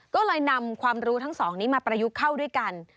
ก็เลยนำความรู้ทั้งสองนี้มาประยุกต์เข้าด้วยกัน